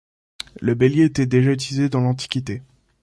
Le bélier était déjà utilisé dans l’antiquité.